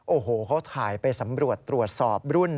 โอ้โหเขาถ่ายไปสำรวจตรวจสอบรุ่น